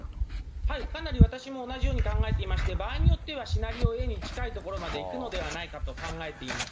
かなり私も同じように考えていまして、場合によってはシナリオＡに近いところまで行くのではないかと考えています。